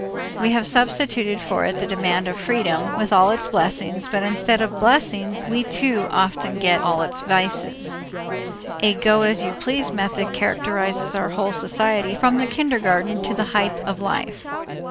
We have substituted for it the demand of freedom with all its blessings, but instead of the blessings we too often get all its vices. A go as you please method characterizes our whole society from the kindergarten to the height of life.